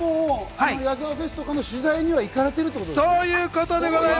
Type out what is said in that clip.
矢沢フェスとかの取材に行かれてるってことですか？